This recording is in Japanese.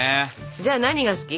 じゃあ何が好き？